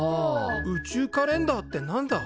宇宙カレンダーって何だ？